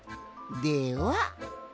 では。